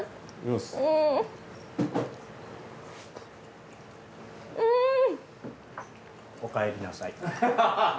おかえりなさい。